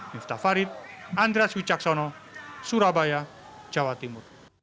miftah farid andras wicaksono surabaya jawa timur